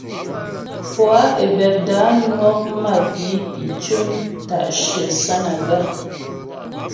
Poâ Ebebda nwɔk mapǐpi cʉm ta'shyə Sánaga.